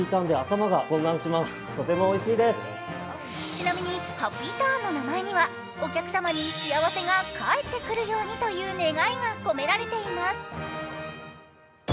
ちなみに、ハッピーターンの名前にはお客様に幸せが返ってくるようにという願いが込められています。